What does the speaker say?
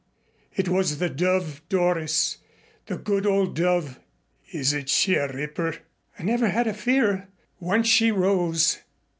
It was the Dove, Doris the good old Dove. Isn't she a ripper?" "I never had a fear once she rose.